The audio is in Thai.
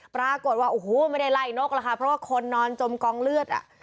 ปรากฏว่าโอ้โหไม่ได้ไล่นกแล้วค่ะเพราะว่าคนนอนจมกองเลือดอ่ะ